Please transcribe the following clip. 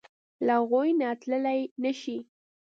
له هغوی نه تللی نشې.